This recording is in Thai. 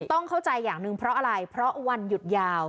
ต้องเข้าใจอย่างหนึ่งเพราะอะไรเพราะวันหยุดยาว